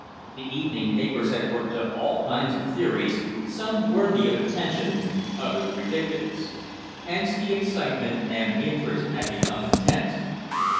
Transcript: The evening papers had worked up all kinds of theories, some worthy of attention, others ridiculous; hence the excitement and interest had become intense.